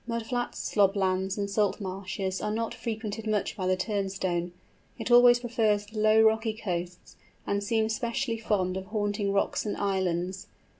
Mud flats, slob lands, and salt marshes are not frequented much by the Turnstone; it always prefers the low rocky coasts, and seems specially fond of haunting rocks and islands.